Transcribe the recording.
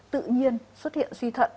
tự nhiên xuất hiện suy thận